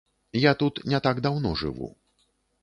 Я тут не так даўно жыву.